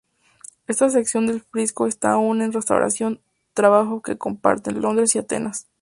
Esta sección del friso está aún en restauración, trabajo que comparten Londres y Atenas.